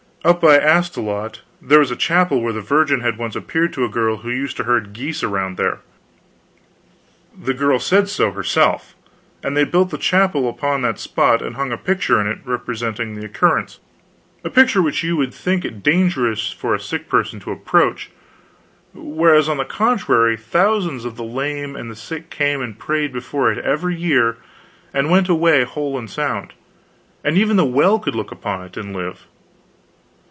Up by Astolat there was a chapel where the Virgin had once appeared to a girl who used to herd geese around there the girl said so herself and they built the chapel upon that spot and hung a picture in it representing the occurrence a picture which you would think it dangerous for a sick person to approach; whereas, on the contrary, thousands of the lame and the sick came and prayed before it every year and went away whole and sound; and even the well could look upon it and live.